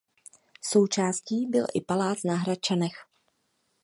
Součástí byl i palác na Hradčanech.